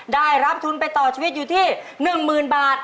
ได้รับทุนไปต่อชีวิตอยู่ที่๑๐๐๐บาท